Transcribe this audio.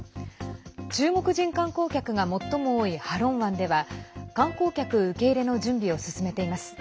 中国人観光客が最も多いハロン湾では観光客受け入れの準備を進めています。